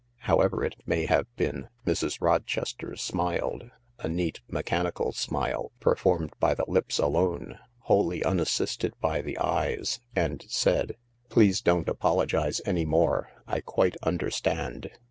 However it may have been, Mrs. Rochester smiled— a neat, mechanical smile performed by the lips alone, wholly unassisted by the eyes — and said : "Please don't apologise any more. I quite understand.